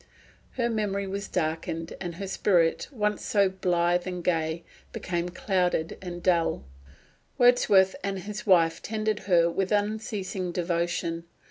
Her memory was darkened, and her spirits, once so blithe and gay, became clouded and dull. Wordsworth and his wife tended her with unceasing devotion.